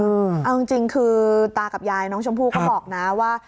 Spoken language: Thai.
เอาจริงคือตากับยายน้องชมพู่ก็บอกนะว่า